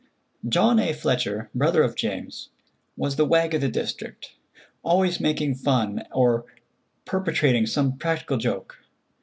John A. Fletcher, brother of James, was the wag of the district, always making fun or perpetrating some practical joke.